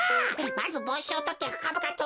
まずぼうしをとってふかぶかと。